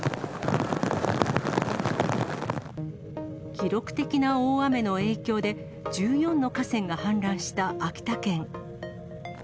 記録的な大雨の影響で、１４の河川が氾濫した秋田県。